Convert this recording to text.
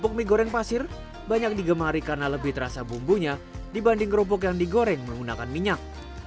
untuk mie goreng pasir banyak digemari karena lebih terasa bumbunya dibanding kerupuk yang digoreng menggunakan minyak